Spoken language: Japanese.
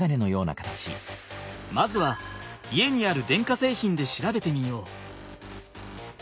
まずは家にある電化せいひんで調べてみよう。